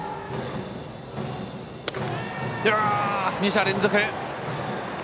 ２者連続！